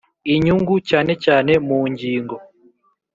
inyungu cyane cyane mu ngi ngo